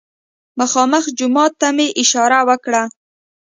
مخامخ جومات ته مې اشاره وکړه.